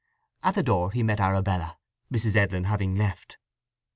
At the door he met Arabella, Mrs. Edlin having left.